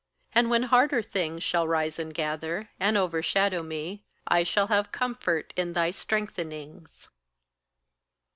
And when harder things Shall rise and gather, and overshadow me, I shall have comfort in thy strengthenings.